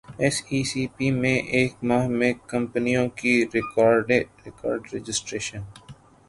S E C P میں ایک ماہ میں کمپنیوں کی ریکارڈرجسٹریشن